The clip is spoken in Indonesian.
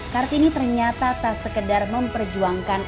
kartini ternyata tak sekedar memperjuangkan